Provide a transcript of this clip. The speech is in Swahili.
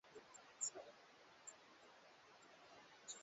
Mnajua kutumia kifaa hicho kawashinda